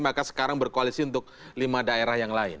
maka sekarang berkoalisi untuk lima daerah yang lain